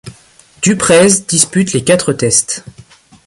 Du Preez dispute les quatre tests.